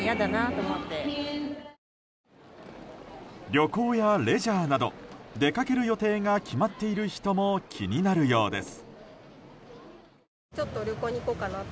旅行やレジャーなど出かける予定が決まっている人も気になるようです。